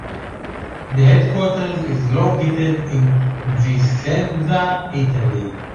The headquarters is located in Vicenza, Italy.